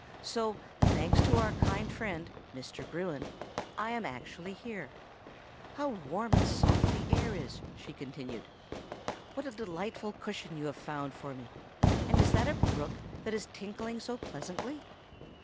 So, thanks to our kind friend, Mr. Bruin, I am actually here. How warm and soft the air is!" she continued. "What a delightful cushion you have found for me! and is that a brook, that is tinkling so pleasantly?"